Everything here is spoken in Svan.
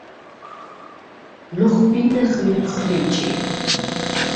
ლოხბინეხ ლიფხრიჭი.